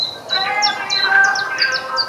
Sir Raj আপনিই, তাঁর মন ভেঙে যাচ্ছে।